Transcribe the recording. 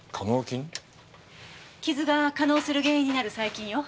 傷が化膿する原因になる細菌よ。